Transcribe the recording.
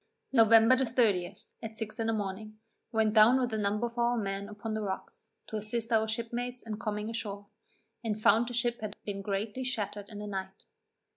November the 30th, at six in the morning, went down with a number of our men upon the rocks, to assist our shipmates in coming ashore, and found the ship had been greatly shattered in the night.